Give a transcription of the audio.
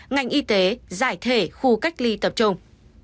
ngành y tế giải thể khu cách ly tập trung